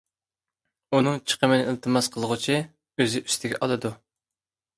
ئۇنىڭ چىقىمىنى ئىلتىماس قىلغۇچى ئۆزى ئۈستىگە ئالىدۇ.